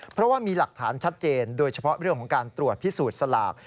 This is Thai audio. เพราะว่ามีหลักฐานชัดเจนโดยเฉพาะเรื่องของการตรวจพิสูจน์สลาก